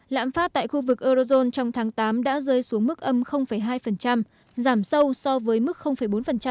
lãm phát tại khu vực eurozone trong tháng tám đã rơi xuống mức âm hai giảm sâu so với mức bốn